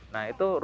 nah itu rule number